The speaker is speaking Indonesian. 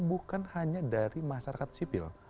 bukan hanya dari masyarakat sipil